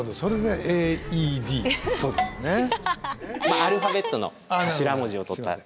アルファベットの頭文字を取った。